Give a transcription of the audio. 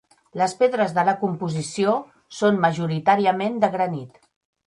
Les pedres de la composició són majoritàriament de granit.